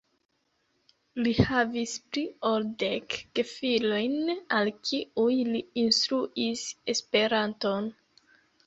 Li havis pli ol dek gefilojn al kiuj li instruis Esperanton.